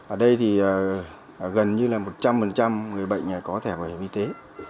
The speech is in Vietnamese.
ở đây thì gần như là một trăm linh người bệnh có thể phải y tế